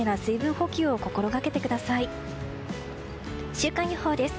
週間予報です。